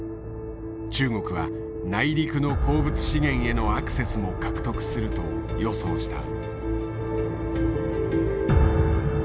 中国は内陸の鉱物資源へのアクセスも獲得すると予想した。